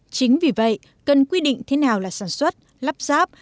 chính vì vậy cần quy định thế nào là sản xuất lắp ráp